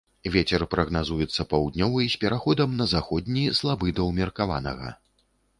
Вецер прагназуецца паўднёвы з пераходам на заходні, слабы да ўмеркаванага.